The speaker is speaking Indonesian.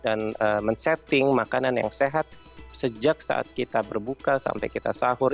dan juga kayaknya kita harus memilih makanan yang sehat sejak saat kita berbuka sampai kita sahur